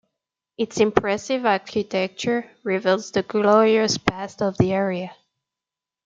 Its impressive architecture reveals the glorious past of the area.